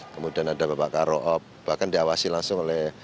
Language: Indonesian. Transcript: kemudian ada bapak karoop bahkan diawasi langsung oleh